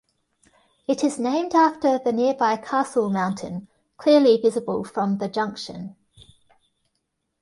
It is named after the nearby Castle Mountain, clearly visible from the junction.